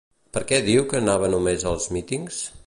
Per què diu que anava només als mítings?